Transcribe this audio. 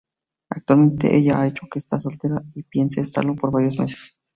Actualmente ella ha dicho que está soltera y piense estarlo por varios meses.